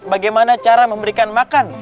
bagaimana cara memberikan makan